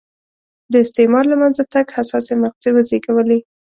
د استعمار له منځه تګ حساسې مقطعې وزېږولې.